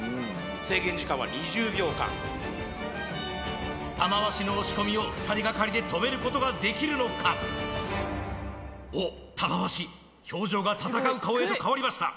制限時間は２０秒間玉鷲の押し込みを２人掛かりで止めることができるのかおっ玉鷲表情が戦う顔へと変わりました